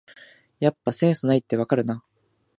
やっぱセンスないってわかるな